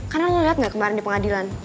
karena lo liat gak kemaren di pengadilan